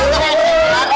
udah mau apa